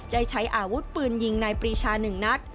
ได้ใช้อาวุธปืนยิงนายปรีชา๑นัด